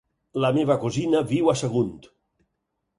La meva cosina viu a Sagunt.